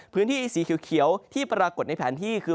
พื้นที่สีเขียวที่ปรากฏในแผนที่คือ